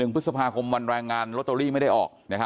พฤษภาคมวันแรงงานลอตเตอรี่ไม่ได้ออก